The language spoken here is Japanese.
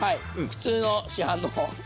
普通の市販の。